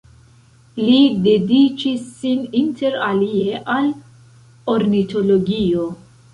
Li dediĉis sin inter alie al ornitologio.